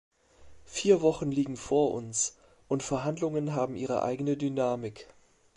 Vier Wochen liegen vor uns, und Verhandlungen haben ihre eigene Dynamik.